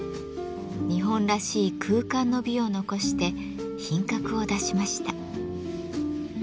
日本らしい空間の美を残して品格を出しました。